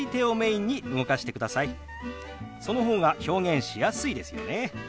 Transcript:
その方が表現しやすいですよね。